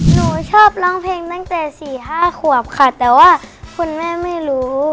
หนูชอบร้องเพลงตั้งแต่๔๕ขวบค่ะแต่ว่าคุณแม่ไม่รู้